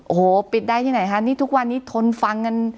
โอ้โหปิดได้ที่ไหนคะนี่ทุกวันนี้ทนฟังกัน